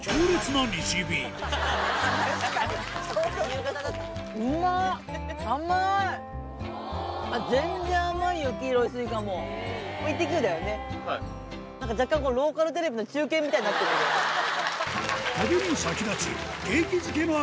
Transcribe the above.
なんか若干これローカルテレビの中継みたいになってるけど。